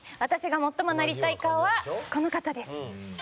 私が最もなりたい顔はこの方です。